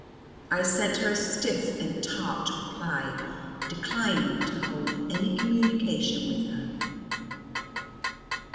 I sent her a stiff and tart reply, declining to hold any communication with her.